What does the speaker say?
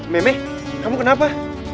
me me kamu kenapa